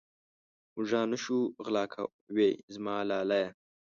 مږان نه شو غلا کوې زما لالیه.